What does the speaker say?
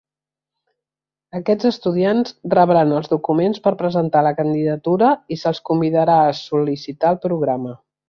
Aquests estudiants rebran els documents per presentar la candidatura i se'ls convidarà a sol·licitar el programa.